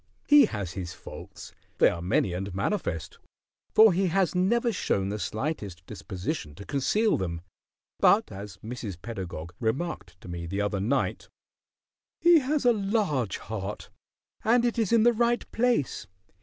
He has his faults; they are many and manifest, for he has never shown the slightest disposition to conceal them, but, as Mrs. Pedagog remarked to me the other night, "He has a large heart, and it is in the right place.